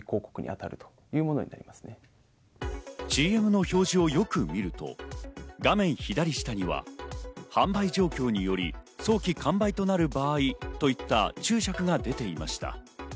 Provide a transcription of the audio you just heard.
ＣＭの表示をよく見ると、画面左下には販売状況により早期完売となる場合といった注釈が出ていました。